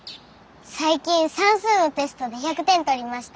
最近算数のテストで１００点とりました。